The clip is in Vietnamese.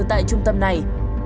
tại trung tâm này